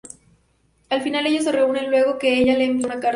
Al final, ellos se reúnen luego que ella le envía una carta.